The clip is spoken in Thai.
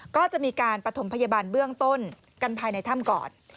ก็จะมีการปฐมพยาบาลเบื้องต้นกันภายในถ้ำก่อน